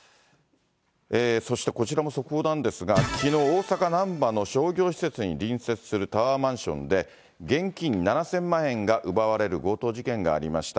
そしてこちらも速報なんですが、きのう、大阪・なんばの商業施設に隣接するタワーマンションで、現金７０００万円が奪われる強盗事件がありました。